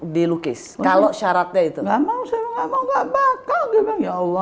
dilukis kalau syaratnya itu